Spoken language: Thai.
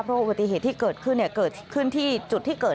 เพราะอุบัติเหตุที่เกิดขึ้นเกิดขึ้นที่จุดที่เกิด